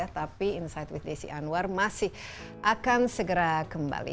tapi insight with desi anwar masih akan segera kembali